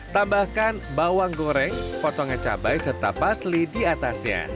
tambahkan bawang goreng potongan cabai serta pasli di atasnya